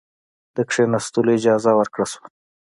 د کښېنستلو اجازه ورکړه شوه.